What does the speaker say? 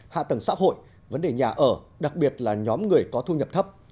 hạ tầng xã hội vấn đề nhà ở đặc biệt là nhóm người có thu nhập thấp